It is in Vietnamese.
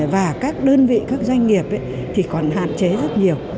và các đơn vị các doanh nghiệp thì còn hạn chế rất nhiều